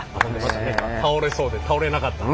倒れそうで倒れなかった。